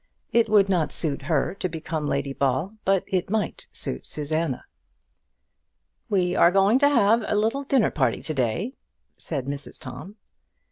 It would not suit her to become Lady Ball, but it might suit Susanna. "We are going to have a little dinner party to day," said Mrs Tom.